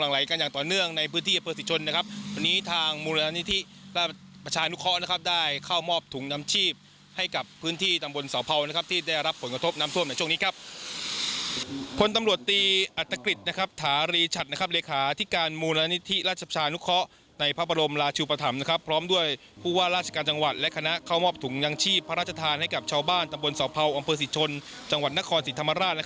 ให้กับชาวบ้านตำบลเสาเผาอำเภอศรีชนจังหวัดนครศรีธรรมราช